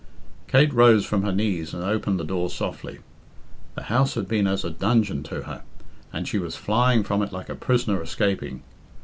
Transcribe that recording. Kate rose from her knees and opened the door softly. The house had been as a dungeon to her, and she was flying from it like a prisoner escaping.